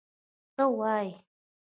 _څه وايي؟